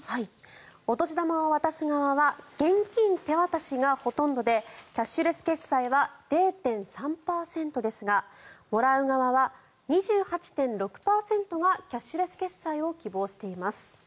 お年玉を渡す側は現金手渡しがほとんどでキャッシュレス決済は０．３％ですがもらう側は２８．６％がキャッシュレス決済を希望しています。